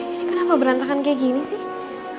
ini kenapa berantakan kayak gini sih